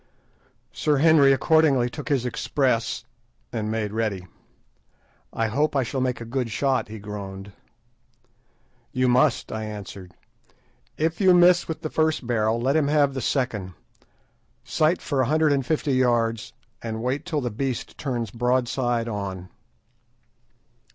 Sir Henry accordingly took his "express," and made ready. "I hope I shall make a good shot," he groaned. "You must," I answered. "If you miss with the first barrel, let him have the second. Sight for 150 yards, and wait till the beast turns broadside on."